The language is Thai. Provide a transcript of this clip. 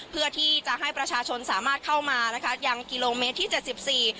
เพื่อที่จะให้ประชาชนสามารถเข้ามานะคะยังกิโลเมตรที่เจ็ดสิบสี่